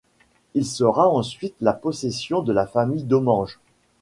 Il sera ensuite la possession de la famille Domanges.